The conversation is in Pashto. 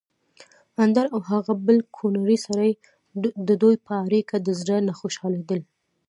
اندړ او هغه بل کونړی سړی ددوی په اړېکه د زړه نه خوشحاليدل